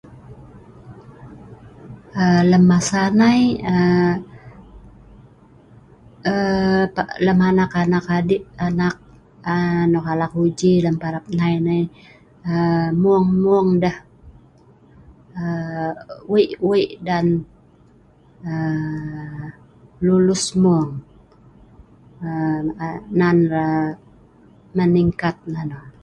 Aaa lem masa nai, aaa aaa lem anak-anak adi anak aa nok alak uji leman parap nai-nai, aaa mung-mung deh aaa wei' wei' dan Lulu's mung aaa nan meningkat nonoh.